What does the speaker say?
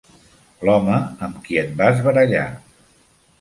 L'home amb qui et vas barallar.